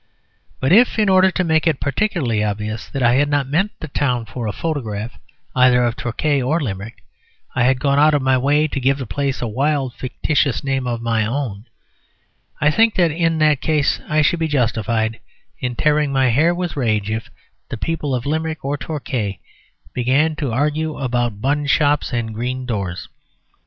But if, in order to make it particularly obvious that I had not meant the town for a photograph either of Torquay or Limerick, I had gone out of my way to give the place a wild, fictitious name of my own, I think that in that case I should be justified in tearing my hair with rage if the people of Limerick or Torquay began to argue about bun shops and green doors.